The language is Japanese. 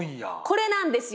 これなんですよ。